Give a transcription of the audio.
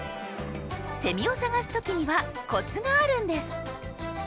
セミを探す時にはコツがあるんです。